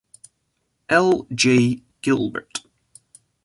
L. J. Gilbert.